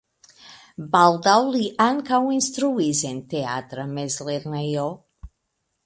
Baldaŭ li ankaŭ instruis en teatra mezlernejo.